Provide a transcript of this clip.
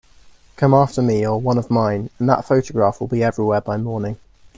Come after me or one of mine, and that photograph will be everywhere by morning.